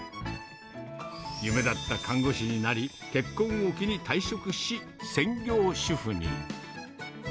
夢だった看護師になり、結婚を機に退職し、専業主婦に。